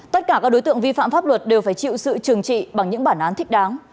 tất cả các đối tượng vi phạm pháp luật đều phải chịu sự trừng trị bằng những bản án thích đáng